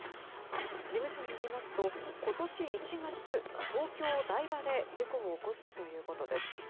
事務所によりますと今年１月東京・台場で事故を起こしたということです。